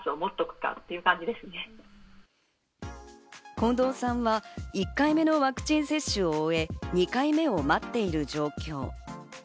近藤さんは１回目のワクチン接種を終え、２回目を待っている状況。